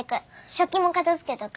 食器も片づけとく。